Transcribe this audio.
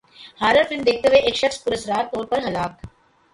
horror film دیکھتے ہوئے ایک شخص پراسرار طور پر ہلاک